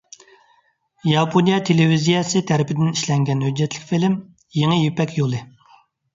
ياپونىيە تېلېۋىزىيەسى تەرىپىدىن ئىشلەنگەن ھۆججەتلىك فىلىم: «يېڭى يىپەك يولى» .